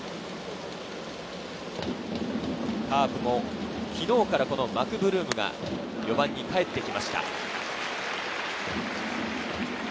カープも昨日からマクブルームが４番に入ってきました。